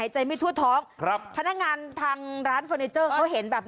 ใช่มันสู้อ่ะ